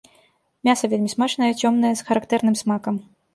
Мяса вельмі смачнае, цёмнае, з характэрным смакам.